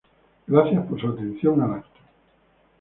Gracias por su atención al acto.